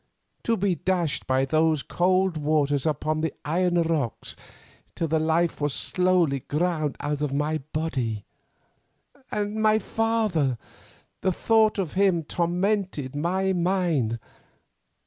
To be dashed by those cold waters upon those iron rocks till the life was slowly ground out of my body! And my father—the thought of him tormented my mind.